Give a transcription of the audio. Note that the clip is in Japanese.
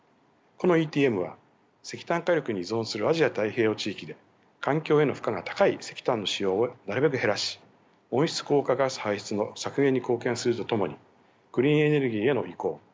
このＥＴＭは石炭火力に依存するアジア・太平洋地域で環境への負荷が高い石炭の使用をなるべく減らし温室効果ガス排出の削減に貢献するとともにクリーンエネルギーへの移行